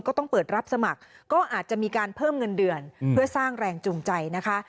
ก็ต้องเปิดรับสมัครก็อาจจะมีการเพิ่มเงินเดือนเพื่อสร้างแรงจูงใจนะคะ